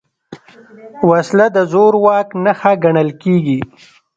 وسله د زور واک نښه ګڼل کېږي